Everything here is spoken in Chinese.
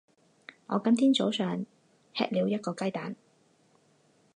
我今天早上吃了一个鸡蛋。